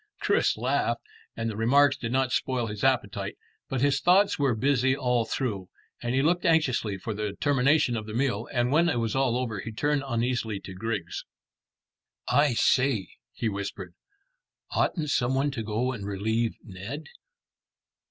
Chris laughed, and the remarks did not spoil his appetite; but his thoughts were busy all through, and he looked anxiously for the termination of the meal, and when all was over he turned uneasily to Griggs. "I say," he whispered, "oughtn't some one to go and relieve Ned?"